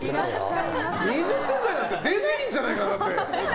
２０点台なんて出ないんじゃないかな。